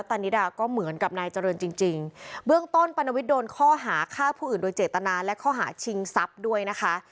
ตานิดาก็เหมือนกับนายเจริญจริงจริงเบื้องต้นปรณวิทย์โดนข้อหาฆ่าผู้อื่นโดยเจตนาและข้อหาชิงทรัพย์ด้วยนะคะ